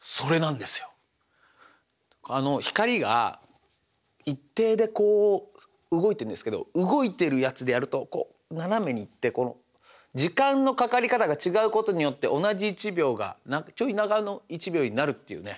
あの光が一定でこう動いてるんですけど動いてるやつでやるとこう斜めにいって時間のかかり方が違うことによって同じ１秒がちょい長の１秒になるっていうね。